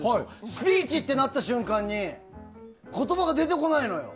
スピーチってなった瞬間に言葉が出てこないのよ。